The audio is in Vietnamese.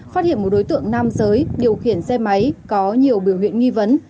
phát hiện một đối tượng nam giới điều khiển xe máy có nhiều biểu hiện nghi vấn